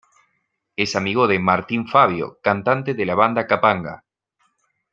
Es amigo de Martín Fabio, cantante de la banda Kapanga.